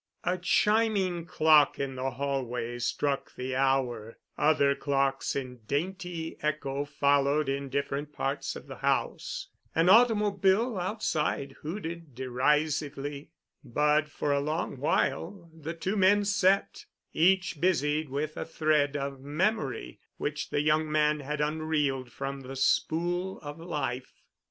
A chiming clock in the hallway struck the hour; other clocks in dainty echo followed in different parts of the house; an automobile outside hooted derisively; but for a long while the two men sat, each busied with a thread of memory which the young man had unreeled from the spool of life.